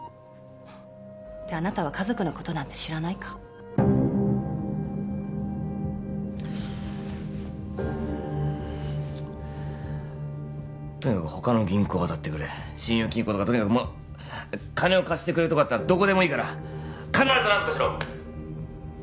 ってあなたは家族のことなんて知らないかとにかく他の銀行をあたってくれ信用金庫とかとにかく金を貸してくれるとこだったらどこでもいいから必ず何とかしろ！